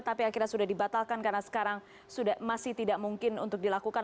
tapi akhirnya sudah dibatalkan karena sekarang masih tidak mungkin untuk dilakukan